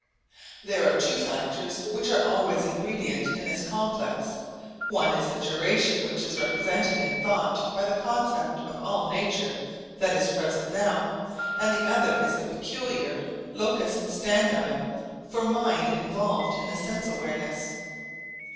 There are two factors which are always ingredient in this complex, one is the duration which is represented in thought by the concept of all nature that is present now, and the other is the peculiar locus standi for mind involved in the sense awareness.